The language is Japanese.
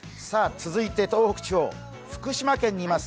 続いて東北地方、福島県にいます